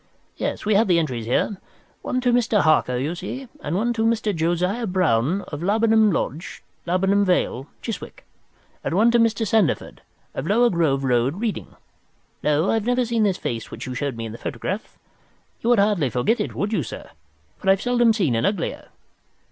Yes, we have the entries here. One to Mr. Harker you see, and one to Mr. Josiah Brown, of Laburnum Lodge, Laburnum Vale, Chiswick, and one to Mr. Sandeford, of Lower Grove Road, Reading. No, I have never seen this face which you show me in the photograph. You would hardly forget it, would you, sir, for I've seldom seen an uglier.